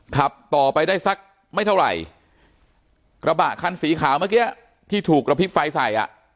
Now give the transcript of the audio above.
ขับต่อไปได้สักไม่เท่าไหร่กระบะคันสีขาวเมื่อกี้ที่ถูกกระพริบไฟใส่อ่ะ